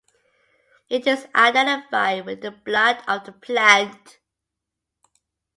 It is identified with the blood of the plant.